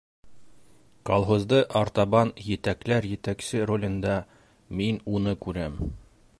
Колхозды артабан етәкләр етәксе ролендә мин уны күрәм.